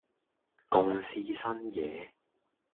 共試新嘢